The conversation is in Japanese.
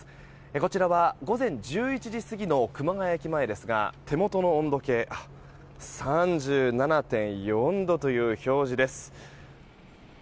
こちらは午前１１時過ぎの熊谷駅前ですが手元の温度計３７．４度という表示です。